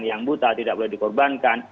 yang buta tidak boleh dikorbankan